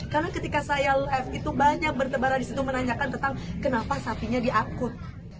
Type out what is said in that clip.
karena ketika saya live itu banyak bertebara di situ menanyakan tentang kenapa sapinya diakut